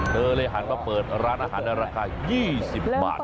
เลยหันมาเปิดร้านอาหารในราคา๒๐บาท